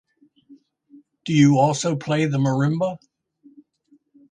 Do you also play the marimba?